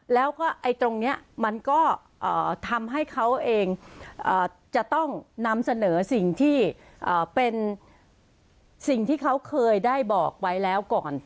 แล้วก็ตรงนี้มันก็ทำให้เขาเองจะต้องนำเสนอสิ่งที่เป็นสิ่งที่เขาเคยได้บอกไว้แล้วก่อน